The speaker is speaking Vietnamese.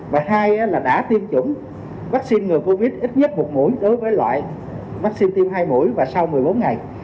và hai là đã tiêm chủng vaccine ngừa covid ít nhất một mũi đối với loại vaccine tiêm hai mũi và sau một mươi bốn ngày